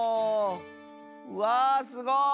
わすごい！